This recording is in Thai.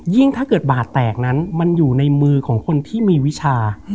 ถ้าเกิดบาดแตกนั้นมันอยู่ในมือของคนที่มีวิชา